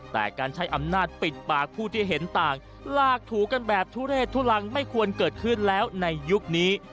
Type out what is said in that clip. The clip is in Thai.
แต่การใช้อำนาจปิดปากผู้ที่เห็นต่างลากถูกันแบบทุเรศทุลังไม่ควรเกิดขึ้นแล้วในยุคนี้